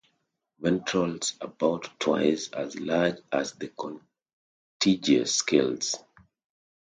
Ventrals about twice as large as the contiguous scales.